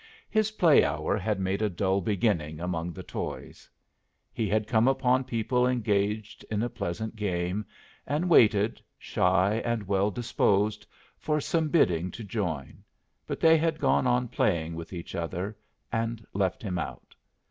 His play hour had made a dull beginning among the toys. He had come upon people engaged in a pleasant game, and waited, shy and well disposed, for some bidding to join, but they had gone on playing with each other and left him out.